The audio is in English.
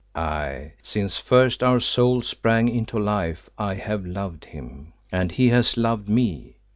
Aye, since first our souls sprang into life I have loved him, as he has loved me.